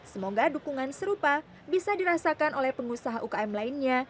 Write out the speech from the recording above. semoga dukungan serupa bisa dirasakan oleh pengusaha ukm lainnya